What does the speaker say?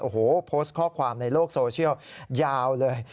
โอ้โหโพสต์ข้อความในโลกโซเชียลยาวเลย